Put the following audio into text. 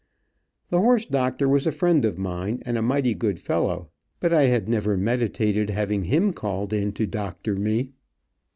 The horse doctor was a friend of mine, and a mighty good fellow, but I had never meditated having him called in to doctor me.